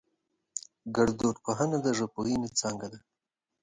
گړدود پوهنه د ژبپوهنې څانگه ده